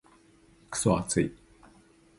クソ暑い。